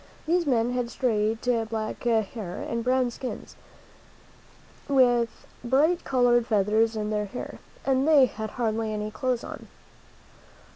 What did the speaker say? These men had straight black hair and brown skins, with bright colored feathers in their hair, and they had hardly any clothes on.